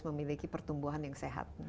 memiliki pertumbuhan yang sehat